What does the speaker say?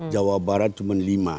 jawa barat cuma lima